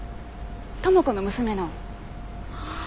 知子の娘の。